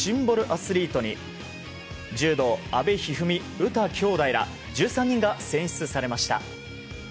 アスリートに柔道、阿部一二三詩きょうだいら１３人が選出されました。